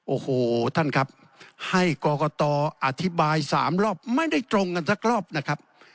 โอ้โหท่านครับให้กรกตอธิบาย๓รอบไม่ได้ตรงกันสักรอบนะครับ